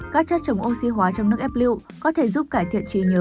các chất chống oxy hóa trong nước ép lưu có thể giúp cải thiện trí nhớ